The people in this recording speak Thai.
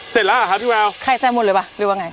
เสร็จแล้วเหรอคะพี่แววไข่แซมุนหรือเปล่าหรือว่าไง